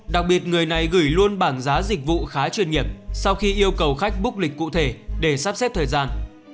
đặc biệt người này gửi luôn bảng giá dịch vụ khá chuyên nghiệp sau khi yêu cầu khách búc lịch cụ thể để sắp xếp thời gian